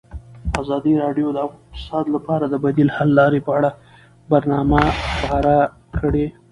ازادي راډیو د اقتصاد لپاره د بدیل حل لارې په اړه برنامه خپاره کړې.